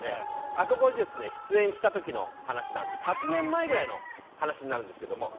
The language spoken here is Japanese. あそこに出演した時の話で８年前ぐらいの話になるんですが。